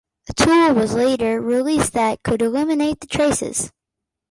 A tool was later released that could eliminate the traces.